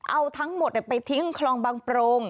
เอาทั้งหมดไปทิ้งคลองบางโปรง